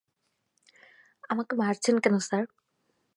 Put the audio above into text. আমাকে মারছেন কেন স্যার?